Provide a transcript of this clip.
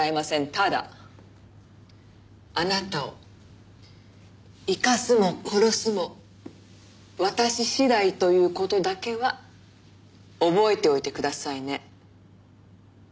ただあなたを生かすも殺すも私次第という事だけは覚えておいてくださいね。